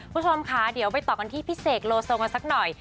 คุณผู้ชมค่ะเดี๋ยวไปต่อกันที่พี่เสกโลโซกันสักหน่อย